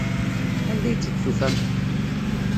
Anda ay tt-id-tufam?